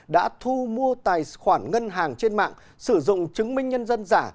đã thu mua tài khoản ngân hàng trên mạng sử dụng chứng minh nhân dân giả